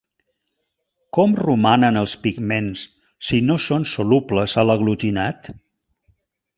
Com romanen els pigments si no són solubles a l'aglutinat?